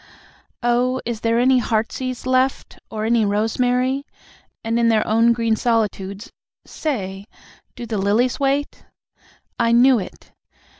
Oh, is there any heartsease left, or any rosemary? And in their own green solitudes, say, do the lilies wait? I knew it!